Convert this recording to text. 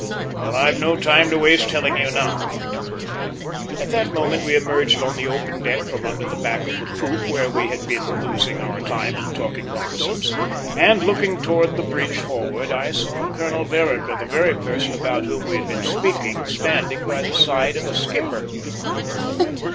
"And I've no time to waste telling you now," returned I. At that moment we emerged on the open deck from under the back of the poop, where we had been losing our time and talking nonsense; and, looking towards the bridge forward, I saw Colonel Vereker, the very person about whom we had been speaking, standing by the side of the skipper.